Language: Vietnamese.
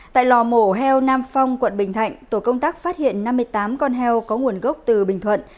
tại lò mổ heo nam phong quận bình thạnh tổ công tác phát hiện năm mươi tám con heo có nguồn gốc từ bình thuận